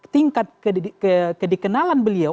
tingkat kedikenalan beliau